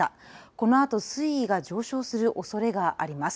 このあと、水位が上昇するおそれがあります。